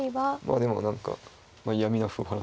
でも何か嫌みの歩を払って。